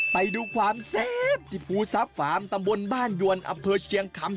ไปดูความแซ่บที่ภูทรัพย์ฟาร์มตำบลบ้านยวนอำเภอเชียงคำ